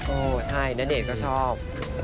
โอ้ใช่ณเดชน์ก็ชอบ